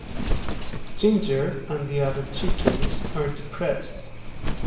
Ginger and the other chickens are depressed.